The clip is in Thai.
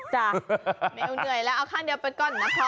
จ๊ะกันนะพ่อเอาข้างเดียวไปก่อน